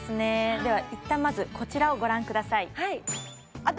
ではいったんまずこちらをご覧ください私！